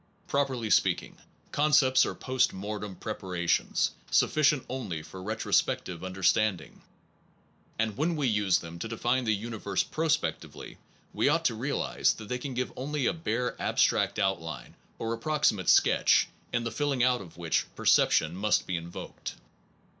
Properly speaking, concepts are post mortem prepara tions, sufficient only for retrospective under standing; and when we use them to define the universe prospectively we ought to realize that they can give only a bare abstract outline or approximate sketch, in the filling out of which perception must be invoked.